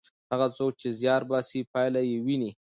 هغه څوک چې زیار باسي پایله یې ویني.